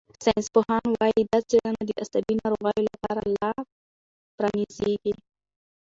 ساینسپوهان وايي چې دا څېړنه د عصبي ناروغیو لپاره لار پرانیزي.